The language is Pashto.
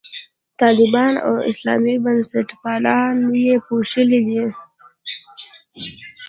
طالبان او اسلامي بنسټپالنه یې پوښلي دي.